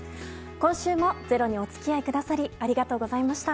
今週も「ｚｅｒｏ」にお付き合いくださりありがとうございました。